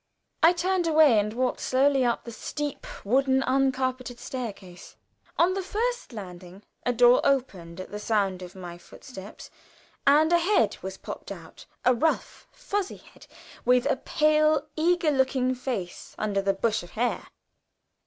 I turned away, and went slowly up the steep wooden uncarpeted staircase. On the first landing a door opened at the sound of my footsteps, and a head was popped out a rough, fuzzy head, with a pale, eager looking face under the bush of hair.